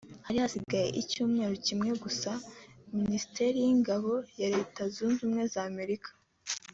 Hari hasize icyumweru kimwe gusa Minisiteri y'Ingabo ya Leta Zunze Ubumwe za Amerika